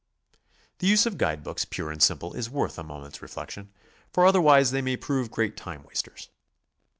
The use of guide books pure and simple is worth a mo ment's reflection, for otherwise they may prove great time wasters.